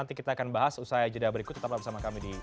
nanti kita akan bahas usaha jeda berikut tetap bersama kami di time news